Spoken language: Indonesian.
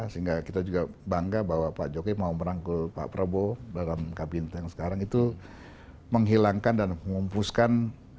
sehingga kita juga bangga bahwa pak jokowi mau merangkul pak prabowo dalam kabinet yang sekarang itu menghilangkan dan mengumpuskan